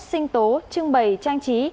sinh tố trưng bày trang trí